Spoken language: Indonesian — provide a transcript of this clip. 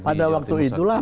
pada waktu itulah